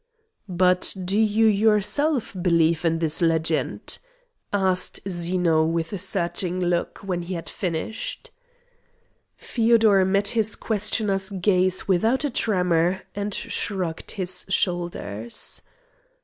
"But do you yourself believe in this legend?" asked Zeno with a searching look, when he had finished. Feodor met his questioner's gaze without a tremor, and shrugged his shoulders.